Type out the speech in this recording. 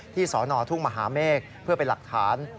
สนทุ่งมหาเมฆเพื่อเป็นหลักฐาน